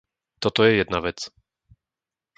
Toto je jedna vec.